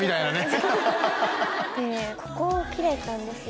そうここ切れたんですよ